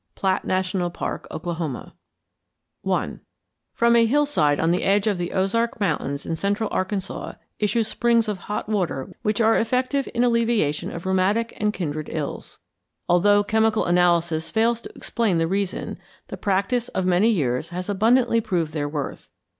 PLATT NATIONAL PARK, OKLAHOMA I From a hillside on the edge of the Ozark Mountains in central Arkansas issue springs of hot water which are effective in the alleviation of rheumatic and kindred ills. Although chemical analysis fails to explain the reason, the practice of many years has abundantly proved their worth.